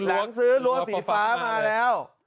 หลังซื้อรั้วสีฟ้ามาแล้ว